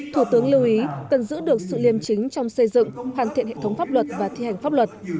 thủ tướng lưu ý cần giữ được sự liêm chính trong xây dựng hoàn thiện hệ thống pháp luật và thi hành pháp luật